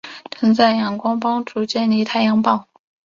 曾在仰光帮助建立太阳报。